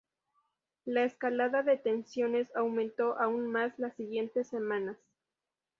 La escalada de tensiones aumentó aún más las siguientes semanas.